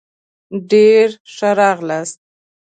ډېر ښه راغلاست